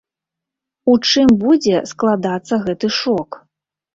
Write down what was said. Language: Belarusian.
У чым будзе складацца гэты шок?